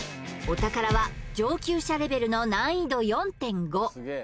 お宝は上級者レベルの難易度